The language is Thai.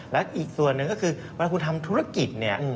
และอีกส่วนหนึ่งก็คือเวลาคุณทำธุรกิจเนี่ย